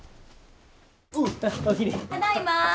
ただいま。